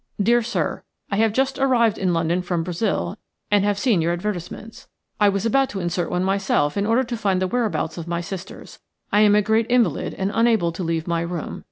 "DEAR SIR, –I have just arrived in London from Brazil, and have seen your advertisements. I was about to insert one myself in order to find the whereabouts of my sisters. I am a great invalid and unable to leave my room.